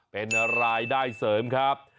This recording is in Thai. เป็นรายได้เสริมครับ